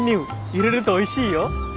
入れるとおいしいよ。